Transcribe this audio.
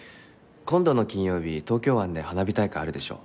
今度の金曜日東京湾で花火大会あるでしょ。